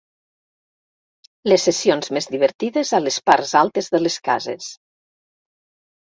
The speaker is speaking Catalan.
Les sessions més divertides a les parts altes de les cases.